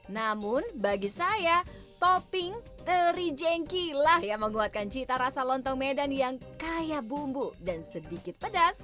namun bagi saya topping teri jengkilah yang menguatkan cita rasa lontong medan yang kaya bumbu dan sedikit pedas